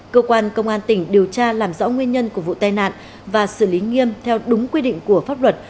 cơ quan công an tỉnh điều tra làm rõ nguyên nhân của vụ tai nạn và xử lý nghiêm theo đúng quy định của pháp luật